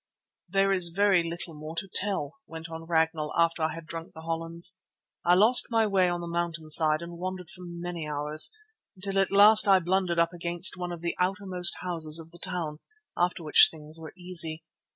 "There is very little more to tell," went on Ragnall after I had drunk the hollands. "I lost my way on the mountain side and wandered for many hours, till at last I blundered up against one of the outermost houses of the town, after which things were easy.